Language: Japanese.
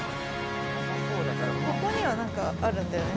ここには何かあるんだよね。